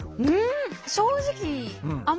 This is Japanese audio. うん？